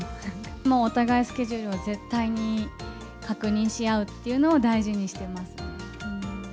もうお互いスケジュールを絶対に確認し合うっていうのを大事にし